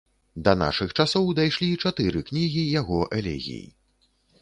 Да нашых часоў дайшлі чатыры кнігі яго элегій.